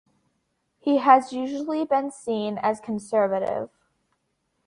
He has usually been seen as a conservative.